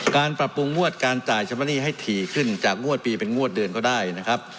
การปรับปรุงงวดการจ่ายชำระหนี้ให้ถี่ขึ้นจากงวดปีเป็นงวดเดือนก็ได้นะครับ